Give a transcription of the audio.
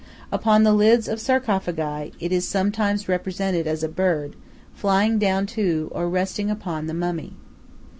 Upon the lids of sarcophagi it is sometimes represented as a bird, flying down to, or resting upon, the mummy.